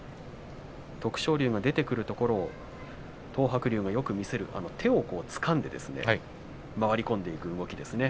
徳勝龍が出てくるところを東白龍がよく見せる手をつかんで回り込んでいく動きですね。